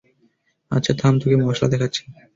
আচ্ছা থাম তোকে মশলা দেখাচ্ছি।